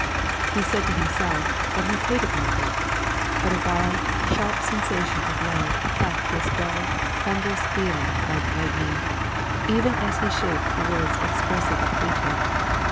He said to himself, that he hated Margaret, but a wild, sharp sensation of love cleft his dull, thunderous feeling like lightning, even as he shaped the words expressive of hatred.